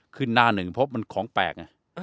หน้าหนึ่งเพราะมันของแปลก